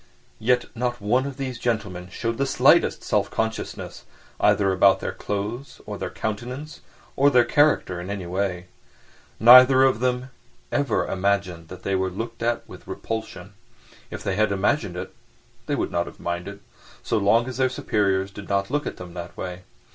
Yet not one of these gentlemen showed the slightest self consciousness—either about their clothes or their countenance or their character in any way. Neither of them ever imagined that they were looked at with repulsion; if they had imagined it they would not have minded—so long as their superiors did not look at them in that way.